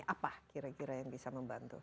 apa kira kira yang bisa membantu